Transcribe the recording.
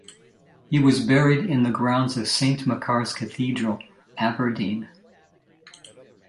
He was buried in the grounds of Saint Machar's Cathedral, Aberdeen.